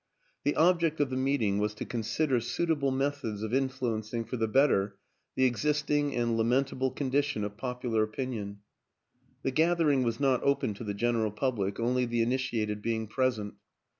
The object of the meeting was to con sider suitable methods of influencing for the bet ter the existing and lamentable condition of pop ular opinion; the gathering was not open to the general public, only the initiated being present.